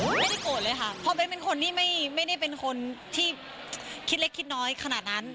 ไม่ได้โกรธเลยค่ะเพราะเบ้นเป็นคนที่ไม่ได้เป็นคนที่คิดเล็กคิดน้อยขนาดนั้น